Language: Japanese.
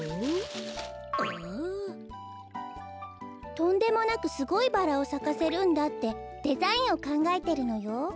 とんでもなくすごいバラをさかせるんだってデザインをかんがえてるのよ。